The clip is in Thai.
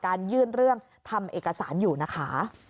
ยื่นเรื่องทำเอกสารอยู่นะคะ